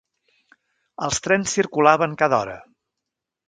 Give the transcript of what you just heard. Els trens circulaven cada hora.